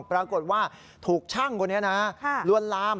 ปรากฏว่าถูกช่างคนนี้นะลวนลาม